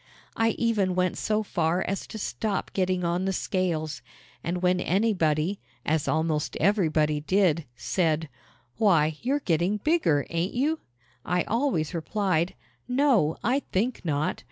I even went so far as to stop getting on the scales; and when anybody as almost everybody did said, "Why, you're getting bigger, ain't you?" I always replied: "No, I think not.